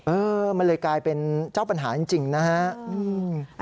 เออมันเลยกลายเป็นเจ้าปัญหาจริงนะฮะ